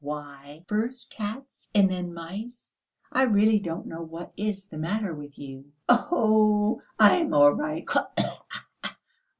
"Why, first cats and then mice, I really don't know what is the matter with you." "Oh, I am all right